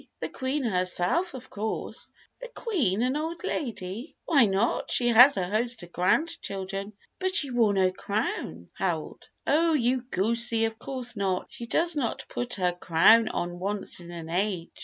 "The Queen herself, of course." "The Oueen an old lady?" "Why not? She has a host of grandchildren." "But she wore no crown, Harold." "Oh, you goosey, of course not! She does not put her crown on once in an age.